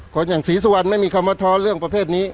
คนอย่างศรีสุวรรณไม่มีคำมาท้อนเรื่องประเภทนี้